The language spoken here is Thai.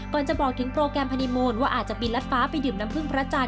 จะบอกถึงโปรแกรมฮานีมูลว่าอาจจะบินรัดฟ้าไปดื่มน้ำพึ่งพระจันท